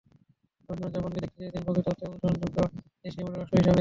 রবীন্দ্রনাথ জাপানকে দেখতে চেয়েছিলেন প্রকৃত অর্থে অনুকরণযোগ্য এশীয় মডেল রাষ্ট্র হিসেবে।